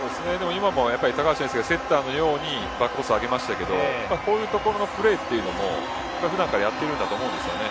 今も高橋選手がセッターのようにバックトス上げましたけどこういうところのプレーも普段からやっているんだと思うんです。